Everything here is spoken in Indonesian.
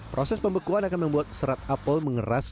proses pembekuan akan membuat serat apel mengeras